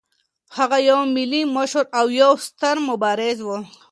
هغه یو ملي مشر او یو ستر مبارز و.